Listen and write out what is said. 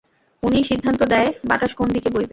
উনিই সিদ্ধান্ত দেয়, বাতাস কোন দিকে বইবে।